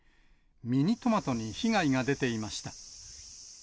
ミニトマトに被害が出ていました。